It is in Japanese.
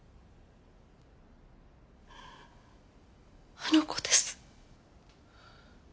あの子です。